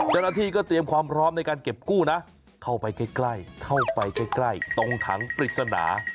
เจ้าหน้าที่ก็เตรียมความพร้อมในการเก็บกู้นะเข้าไปใกล้เข้าไปใกล้ตรงถังปริศนา